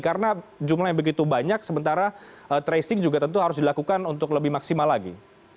karena jumlahnya begitu banyak sementara tracing juga tentu harus dilakukan untuk lebih maksimal lagi